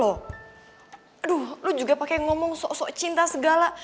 aduh lo juga pake ngomong sok sok cinta segala